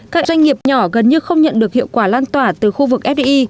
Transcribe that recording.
các doanh nghiệp nhỏ gần như không nhận được hiệu quả lan tỏa từ khu vực fdi